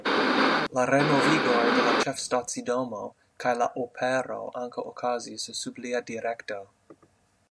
La renovigoj de la ĉefstacidomo kaj la opero ankaŭ okazis sub lia direkto.